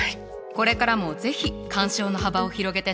これからも是非鑑賞の幅を広げて楽しんで！